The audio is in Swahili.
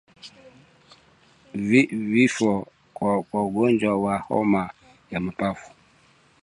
Vifo kwa ugonjwa wa homa ya mapafu